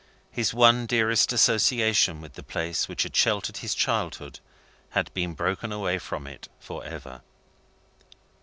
His one dearest association with the place which had sheltered his childhood had been broken away from it for ever.